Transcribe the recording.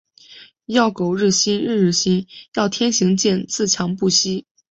要苟日新，日日新。要天行健，自强不息。